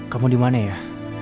kamu dimana ya